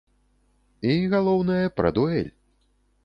І, галоўнае, пра дуэль!